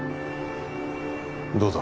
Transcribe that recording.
どうだ？